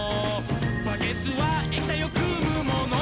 「バケツは液体をくむもの」